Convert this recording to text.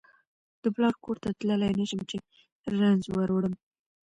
د پلار کور ته تللای نشم چې رنځ وروړم